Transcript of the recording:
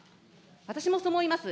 私もそう思います。